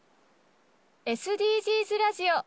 ＳＤＧｓラジオ。